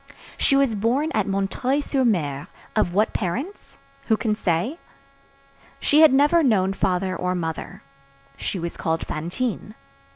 She was born at M. sur M. Of what parents? Who can say? She had never known father or mother. She was called Fantine.